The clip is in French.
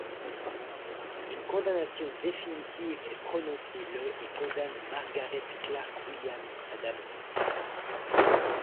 Une condamnation définitive est prononcée le et condamne Margaret Clark-Williams à d'amende.